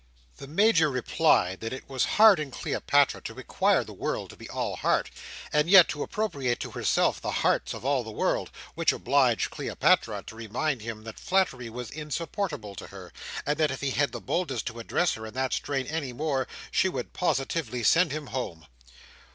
The Major replied that it was hard in Cleopatra to require the world to be all heart, and yet to appropriate to herself the hearts of all the world; which obliged Cleopatra to remind him that flattery was insupportable to her, and that if he had the boldness to address her in that strain any more, she would positively send him home.